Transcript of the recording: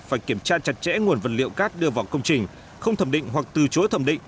phải kiểm tra chặt chẽ nguồn vật liệu cát đưa vào công trình không thẩm định hoặc từ chối thẩm định